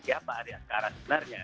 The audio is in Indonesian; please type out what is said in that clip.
siapa ari askara sebenarnya